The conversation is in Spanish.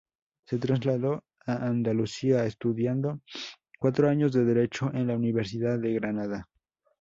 Se trasladó a Andalucía estudiando cuatro años de Derecho en la Universidad de Granada.